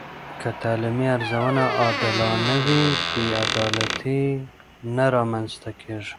که تعلیمي ارزونه عادلانه وي، بې عدالتي نه رامنځته کېږي.